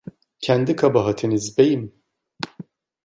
Kendi kabahatiniz, beyim.